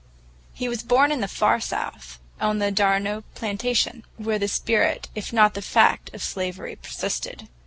He was born in the Far South, on the d'Arnault plantation, where the spirit if not the fact of slavery persisted.